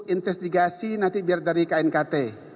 investigasi nanti biar dari knkt